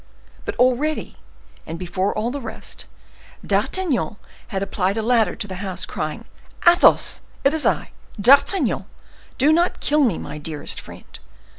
But already, and before all the rest, D'Artagnan had applied a ladder to the house, crying, "Athos! it is I, D'Artagnan! Do not kill me, my dearest friend!"